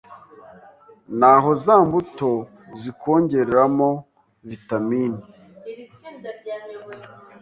naho za mbuto zikongeramo vitamini